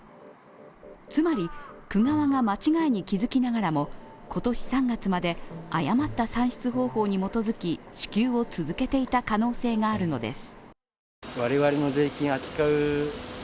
つまり、区側が間違いに気づきながらも、今年３月まで誤った算出方法に基づき支給を続けていた可能性があるのです。